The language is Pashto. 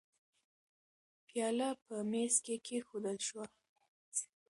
پیاله په مېز کې کېښودل شوه.